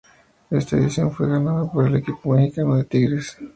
Esta edición fue ganada por el equipo mexicano de Tigres.